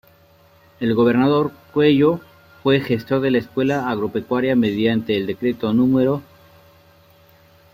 El gobernador Cuello fue gestor de la Escuela Agropecuaria, mediante el decreto No.